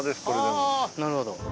なるほど。